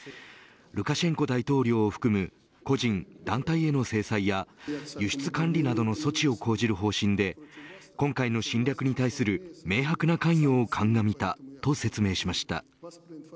ルカシェンコ大統領を含む個人、団体への制裁や輸出管理などの措置を講じる方針で今回の侵略に対する明白な関与を鑑みたと説明しました。